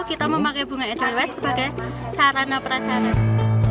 kita memakai bunga edelweiss sebagai sarana perasaan